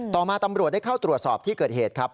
ต่อมาตำรวจได้เข้าตรวจสอบที่เกิดเหตุครับ